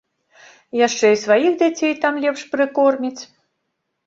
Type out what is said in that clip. Яшчэ і сваіх дзяцей там лепш прыкорміць.